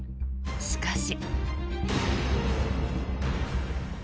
しかし。